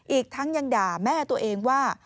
อีกทั้งยังด่าแม่ตัวเองว่า